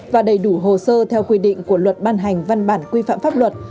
và đầy đủ hồ sơ theo quy định của luật ban hành văn bản quy phạm pháp luật